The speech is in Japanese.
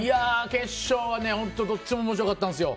決勝は本当どっちも面白かったんですよ。